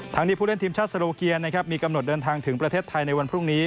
นี้ผู้เล่นทีมชาติสโลเกียนะครับมีกำหนดเดินทางถึงประเทศไทยในวันพรุ่งนี้